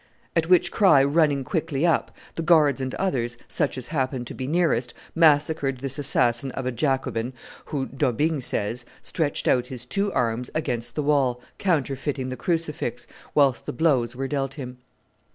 At which cry running quickly up, the guards and others, such as happened to be nearest, massacred this assassin of a Jacobin who, as D'Aubigne says, stretched out his two arms against the wall, counterfeiting the crucifix, whilst the blows were dealt him.